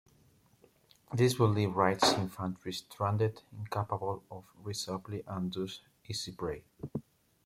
This would leave Wright's infantry stranded, incapable of resupply and thus easy prey.